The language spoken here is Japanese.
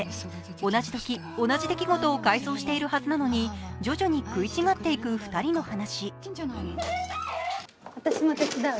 同じとき、同じ出来事を回想しているはずなのに徐々に食い違っていく２人の話。